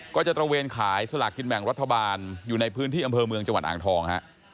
ตระเวนขายสลากกินแบ่งรัฐบาลอยู่ในพื้นที่อำเภอเมืองจังหวัดอ่างทองฮะ